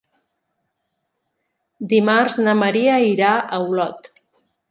Dimarts na Maria irà a Olot.